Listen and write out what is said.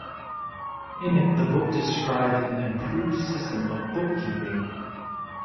In it the book described an improved system of book-keeping.